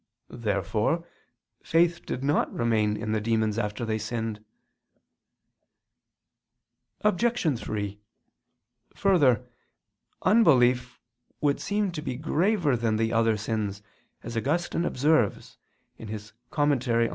Therefore faith did not remain in the demons after they sinned. Obj. 3: Further, unbelief would seem to be graver than other sins, as Augustine observes (Tract.